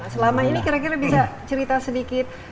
selama ini kira kira bisa cerita sedikit